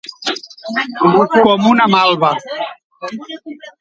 Com una malva.